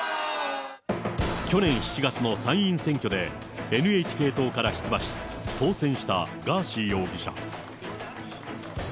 去年７月の参院選挙でＮＨＫ党から出馬し、当選したガーシー容疑者。